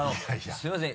すいません